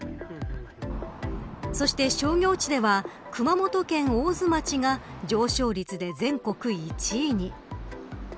そして商業地では熊本県大津町が上昇率で全国１位に。